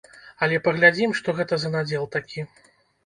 Але паглядзім, што гэта за надзел такі.